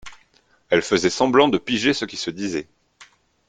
Elle faisait semblant de piger ce qui se disait